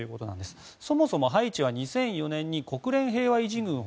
そもそもハイチは２００４年に国連平和維持軍を